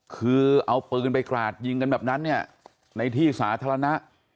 คือเอาปืนไปกราดยิงกันแบบนั้นเนี่ยในที่สาธารณะ